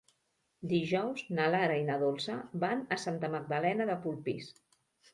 Dijous na Lara i na Dolça van a Santa Magdalena de Polpís.